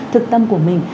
thực tâm của mình